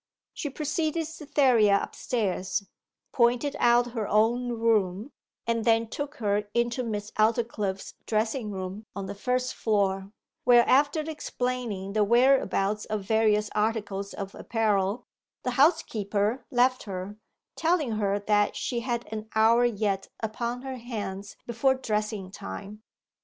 She preceded Cytherea upstairs, pointed out her own room, and then took her into Miss Aldclyffe's dressing room, on the first floor; where, after explaining the whereabouts of various articles of apparel, the housekeeper left her, telling her that she had an hour yet upon her hands before dressing time.